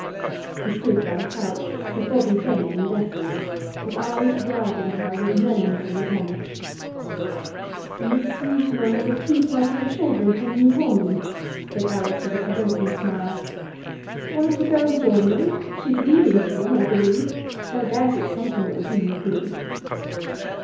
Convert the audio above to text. He stood by the couch, his body bent in deference, his eyes regarding her with melancholy homage. 'Mrs. Mutimer has a tea party of children from New Wanley,' said Alice with a provoking smile. 'Won't you go and join them? She's reading to them, I believe; no doubt it's something that would do you good.